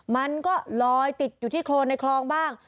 มันก็ลอยติดอยู่ที่โครนในคลองบ้าง